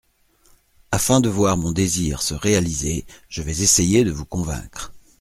Afin de voir mon désir se réaliser, je vais essayer de vous convaincre.